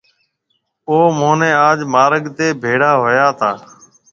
او مهوني آج مارگ تي ڀيڙا هويا تا۔